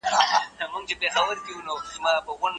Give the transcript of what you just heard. که ماشومان قلم ونه کاروي نو د ګوتو مهارتونه یې کمزوري کیږي.